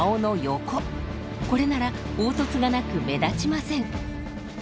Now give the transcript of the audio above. これなら凹凸がなく目立ちません。